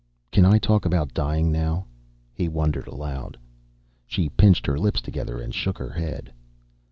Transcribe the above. "Can I talk about dying now?" he wondered aloud. She pinched her lips together and shook her head.